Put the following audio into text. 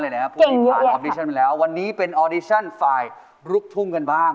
เก่งเยอะเยอะพวกนี้ผ่านออดิชั่นไปแล้ววันนี้เป็นออดิชั่นฝ่ายลุกทุ่มกันบ้าง